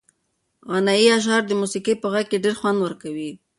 غنایي اشعار د موسیقۍ په غږ کې ډېر خوند ورکوي.